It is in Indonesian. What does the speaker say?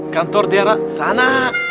kantor di arah sana